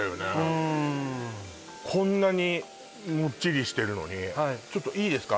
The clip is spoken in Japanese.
うーんこんなにもっちりしてるのにちょっといいですか？